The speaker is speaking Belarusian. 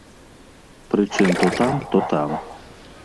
Прычым, то там, то там.